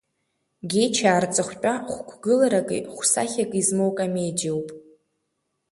Гьечаа рҵыхәтәа хә-қәгылараки хә-сахьаки змоу комедиоуп.